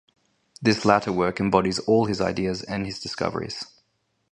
This latter work embodies all his ideas and his discoveries.